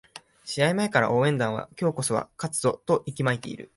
試合前から応援団は今日こそは勝つぞと息巻いている